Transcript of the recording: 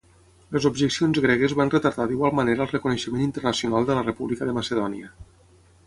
Les objeccions gregues van retardar d'igual manera el reconeixement internacional de la República de Macedònia.